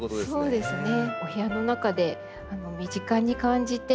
そうですね。